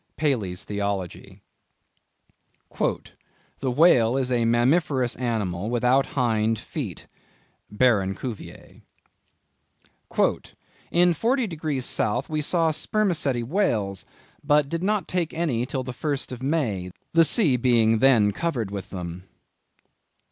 —Paley's Theology. "The whale is a mammiferous animal without hind feet." —Baron Cuvier. "In 40 degrees south, we saw Spermacetti Whales, but did not take any till the first of May, the sea being then covered with them."